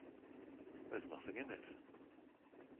There's nothing in it.